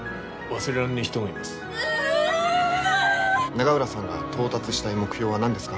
永浦さんが到達したい目標は何ですか？